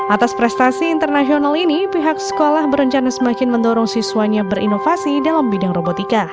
atas prestasi internasional ini pihak sekolah berencana semakin mendorong siswanya berinovasi dalam bidang robotika